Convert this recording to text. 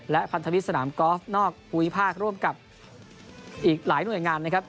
และพันธมิตรสนามกอล์ฟนอกภูมิภาคร่วมกับอีกหลายหน่วยงานนะครับ